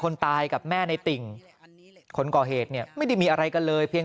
คนตายกับแม่ในติ่งคนก่อเหตุเนี่ยไม่ได้มีอะไรกันเลยเพียง